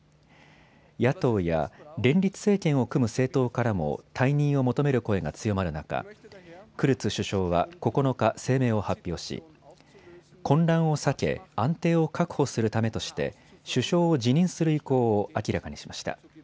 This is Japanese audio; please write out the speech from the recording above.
野党や連立政権を組む政党からも退任を求める声が強まる中、クルツ首相は９日、声明を発表し混乱を避け安定を確保するためとして首相を辞任する意向を明らかにしました。